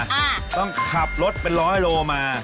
ต้องขับรถเป็นร้อยโลมา